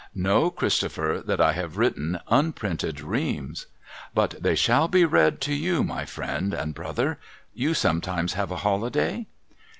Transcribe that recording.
Know, Christo pher, that I have written unprinted Reams. But they shall be read to you, my friend and brother. You sometimes have a holiday